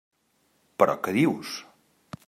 Però què dius?